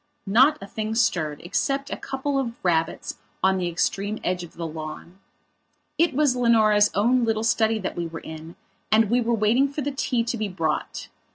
Not a thing stirred, except a couple of rabbits on the extreme edge of the lawn. It was Leonora's own little study that we were in and we were waiting for the tea to be brought.